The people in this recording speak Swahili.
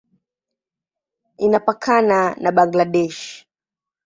Inapakana na Bangladesh.